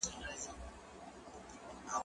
کېدای سي خبري اوږدې سي،